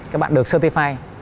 các bạn được certified